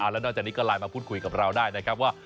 แล้วนอกจากนี้ก็ไลน์มาพูดคุยกับเราได้นะครับว่า